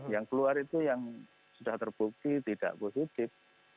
yang keluar itu yang sudah terbukti tidak positif